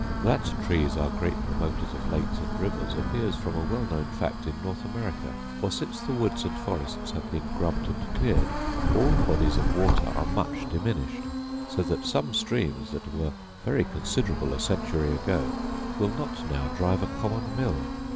That trees are great promoters of lakes and rivers appears from a well known fact in North America; for, since the woods and forests have been grubbed and cleared, all bodies of water are much diminished; so that some streams, that were very considerable a century ago, will not now drive a common mill.